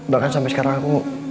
bahkan sampai sekarang aku